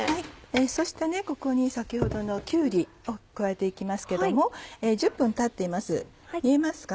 そしてここに先ほどのきゅうりを加えて行きますけど１０分たっています見えますか